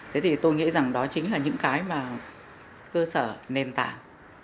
thế thì tôi nghĩ rằng đó chính là những cái mà cơ sở nền tảng